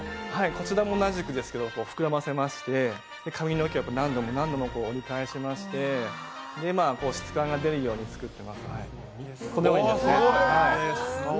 こちらも同じく膨らませまして、髪の毛、何度も何度も折りまして質感が出るように作っています。